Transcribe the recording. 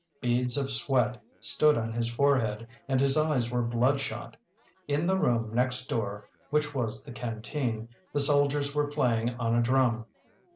Beads of sweat stood on his forehead, and his eyes were bloodshot. In the room next door, which was the canteen, the soldiers were playing on a drum.